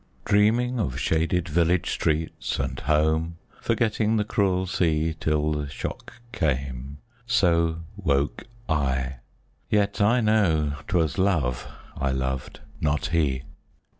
Dreaming of shaded village streets, and home, Forgetting the cruel sea Till the shock came so woke I, yet I know 'Twas Love, I loved, not he.